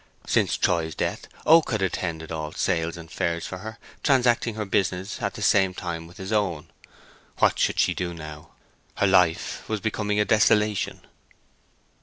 Since Troy's death Oak had attended all sales and fairs for her, transacting her business at the same time with his own. What should she do now? Her life was becoming a desolation.